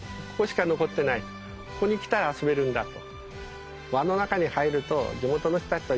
ここに来たら遊べるんだと。